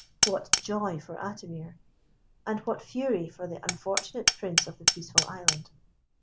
What joy for Atimir! and what fury for the unfortunate Prince of the Peaceful Island!